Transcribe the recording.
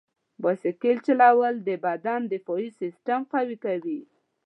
بایسکل چلول د بدن دفاعي سیستم قوي کوي.